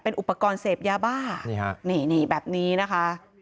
เป็นอุปกรณ์เสพยาบ้านี่แบบนี้นะคะ